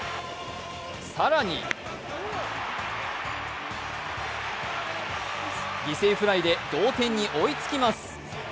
更に犠牲フライで同点に追いつきます。